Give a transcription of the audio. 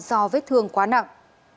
có vết thương quá nặng